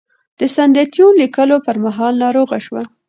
د "سندیتون" لیکلو پر مهال ناروغه شوه.